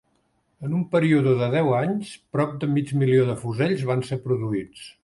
En un període de deu anys, prop de mig milió de fusells van ser produïts.